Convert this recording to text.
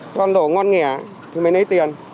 cho ăn đổ ngon nghẻ thì mới lấy tiền